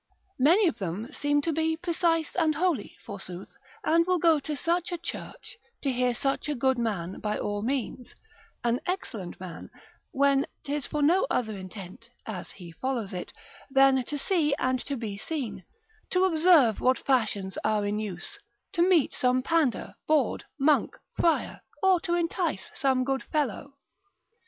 Many of them seem to be precise and holy forsooth, and will go to such a church, to hear such a good man by all means, an excellent man, when 'tis for no other intent (as he follows it) than to see and to be seen, to observe what fashions are in use, to meet some pander, bawd, monk, friar, or to entice some good fellow.